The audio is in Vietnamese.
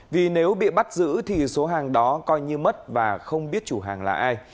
vì nếu bị bắt giữ thì số hàng đó coi như mất và không biết chủ hàng là ai